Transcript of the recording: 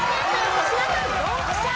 粗品さんドンピシャ。